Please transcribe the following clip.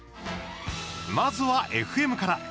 まずはＦＭから。